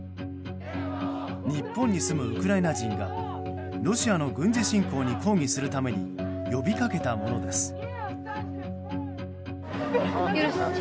日本に住むウクライナ人がロシアの軍事侵攻に抗議するために呼びかけたものです。